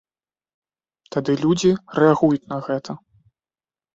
Тады людзі рэагуюць на гэта.